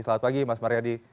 selamat pagi mas mareyadi